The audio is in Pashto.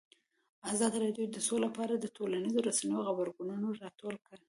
ازادي راډیو د سوله په اړه د ټولنیزو رسنیو غبرګونونه راټول کړي.